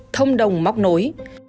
thông đồng móc nối